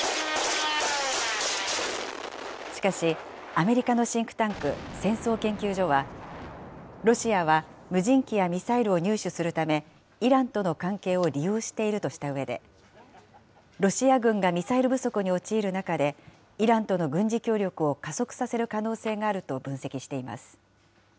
しかし、アメリカのシンクタンク、戦争研究所は、ロシアは無人機やミサイルを入手するため、イランとの関係を利用しているとしたうえで、ロシア軍がミサイル不足に陥る中で、イランとの軍事協力を加速させる可能性があると分析しています。